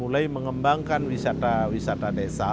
mulai mengembangkan wisata wisata desa